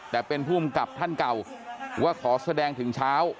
แต่เป็นภูมิกับท่านเก่าว่าขอแสดงถึงเช้า